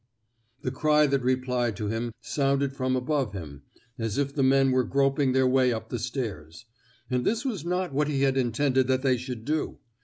The cry that replied to him sounded from above him, as if the men were groping their way up the stairs ; and this was not what he had intended that they should do.